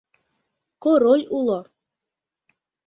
— Король уло.